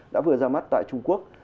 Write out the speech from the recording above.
đã vừa ra mắt tại trung quốc